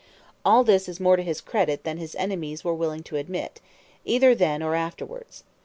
All this is more to his credit than his enemies were willing to admit, either then or afterwards.